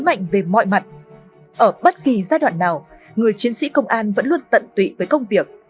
mạnh về mọi mặt ở bất kỳ giai đoạn nào người chiến sĩ công an vẫn luôn tận tụy với công việc